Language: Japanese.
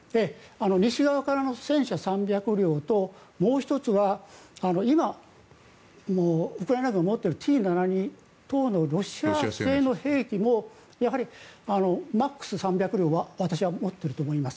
西側からの戦車３００両ともう１つは今、ウクライナ軍が持っているＴ７２等のロシア製の兵器もやはりマックス３００両は私は持っていると思います。